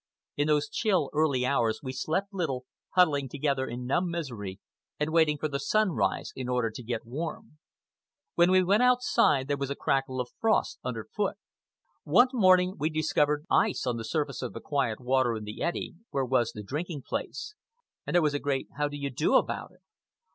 In those chill early hours we slept little, huddling together in numb misery and waiting for the sunrise in order to get warm. When we went outside there was a crackle of frost under foot. One morning we discovered ice on the surface of the quiet water in the eddy where was the drinking place, and there was a great How do you do about it.